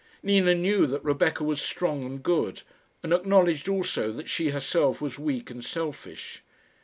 Nina knew that Rebecca was strong and good, and acknowledged also that she herself was weak and selfish.